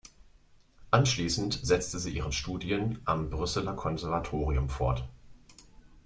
Anschließend setzte sie ihre Studien am Brüsseler Konservatorium fort.